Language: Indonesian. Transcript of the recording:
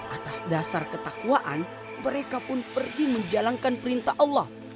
atas dasar ketakwaan mereka pun pergi menjalankan perintah allah